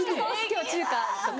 今日中華とか。